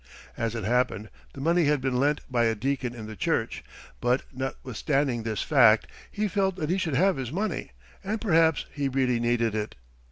As it happened, the money had been lent by a deacon in the church, but notwithstanding this fact, he felt that he should have his money, and perhaps he really needed it.